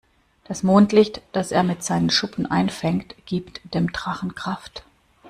Das Mondlicht, das er mit seinen Schuppen einfängt, gibt dem Drachen Kraft.